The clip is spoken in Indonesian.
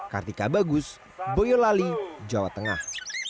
kartika bagus boyolali jawa tengah